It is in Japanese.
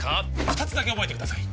二つだけ覚えてください